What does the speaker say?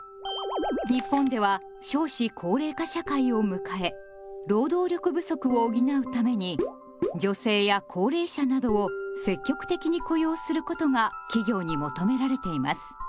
日本では少子高齢化社会を迎え労働力不足を補うために女性や高齢者などを積極的に雇用することが企業に求められています。